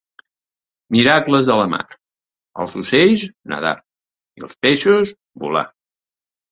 Miracles de la mar: els ocells, nedar, i els peixos, volar.